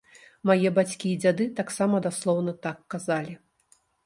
Мае бацькі і дзяды таксама даслоўна так казалі.